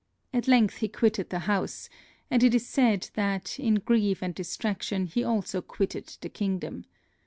At length he quitted the house; and it is said that, in grief and distraction, he also quitted the kingdom.